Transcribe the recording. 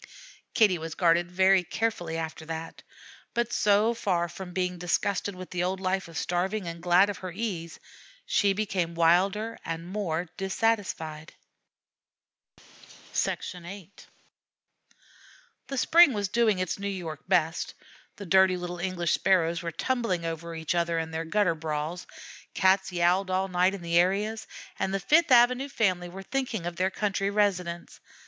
Kitty was guarded very carefully after that; but so far from being disgusted with the old life of starving, and glad of her ease, she became wilder and more dissatisfied. VIII The spring was doing its New York best. The dirty little English Sparrows were tumbling over each other in their gutter brawls, Cats yowled all night in the areas, and the Fifth Avenue family were thinking of their country residence.